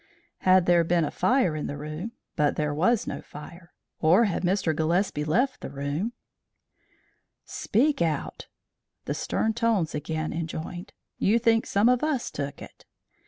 "Had there been a fire in the room but there was no fire. Or had Mr. Gillespie left the room " "Speak out!" the stern tones again enjoined. "You think some of us took it?"